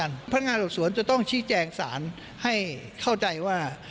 พนักงานสอบสวนจะต้องชี้แจงสารให้เข้าใจว่า